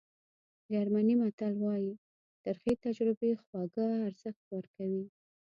جرمني متل وایي ترخې تجربې خواږه ارزښت ورکوي.